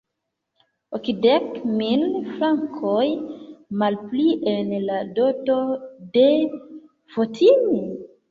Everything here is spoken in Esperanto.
Okdek mil frankoj malplie en la doto de Fotini?